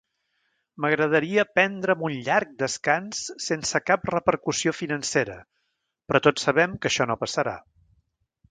M'agradaria prendre'm un llarg descans sense cap repercussió financera, però tots sabem que això no passarà.